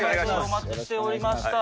お待ちしておりました。